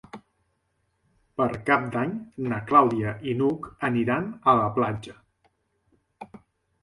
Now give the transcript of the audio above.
Per Cap d'Any na Clàudia i n'Hug aniran a la platja.